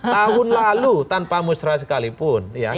tahun lalu tanpa musrah sekalipun